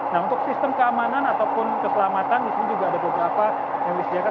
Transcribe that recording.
nah untuk sistem keamanan ataupun keselamatan di sini juga ada beberapa yang disediakan